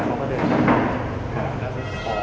ไม่มีทางที่หรอ